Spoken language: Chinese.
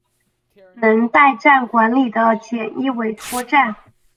能代站管理的简易委托站。